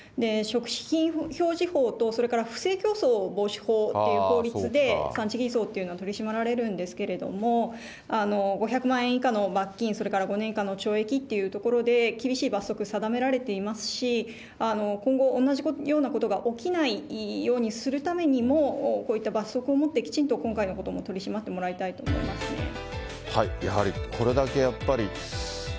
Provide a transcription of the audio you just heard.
食品表示法と、それから不正競争防止法という法律で産地偽装っていうのは取り締まられるんですけども、５００万円以下の罰金、それから５年以下の懲役というところで、厳しい罰則定められていますし、今後、同じようなことが起きないようにするためにも、こういった罰則を持ってきちんと今回のことも取り締まってもらいたいと思いますね。